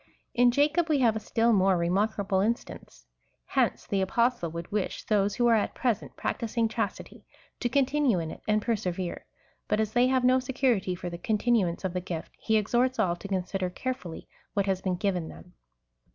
In Jacob we have a still more remarkable instance. Hence the Apostle would wish those who are at present practising chastity, to continue in it and persevere ; but as they have no security for the continuance of the gift, he exhorts all to consider carefully what has been given them.